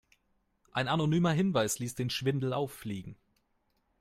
Ein anonymer Hinweis ließ den Schwindel auffliegen.